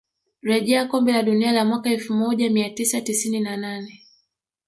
rejea kombe la dunia la mwaka elfu moja mia tisa tisini na nane